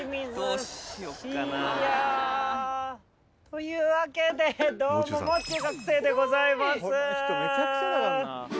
というわけでどうももう中学生でございます。